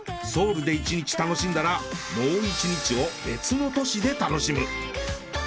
ソウルで１日楽しんだらもう１日を別の都市で楽しむ！